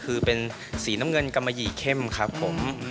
คือเป็นสีน้ำเงินกำมะหยี่เข้มครับผม